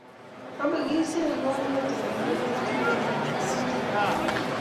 Ameng'isei eng koot notok amu anee atilil ako atilil.